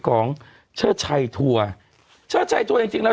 ของเชิดชัยถั่วเชิดชัยถั่วอย่างจริงแล้ว